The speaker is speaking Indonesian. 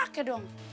ga dipake dong